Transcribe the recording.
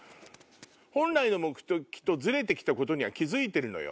本来の目的とズレて来たことには気付いてるのよ。